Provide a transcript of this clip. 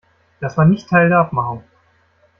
Das war nicht Teil der Abmachung!